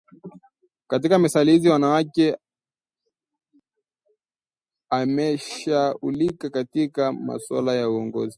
Katika methali hizi mwanamke amesahaulika katika maswala ya uongozi